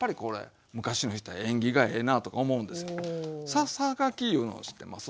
ささがきいうのをしてます。